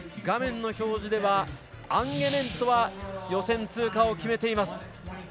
画面の表示では、アンゲネントは予選通過を決めています。